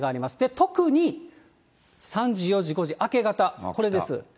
特に３時、４時、５時、明け方、これです。